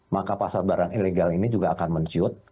maka pasar barang ilegal ini juga akan menciut